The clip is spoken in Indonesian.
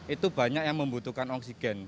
itu banyak yang membutuhkan oksigen